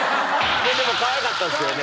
でもかわいかったですよね。